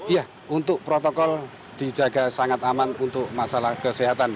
iya untuk protokol dijaga sangat aman untuk masalah kesehatan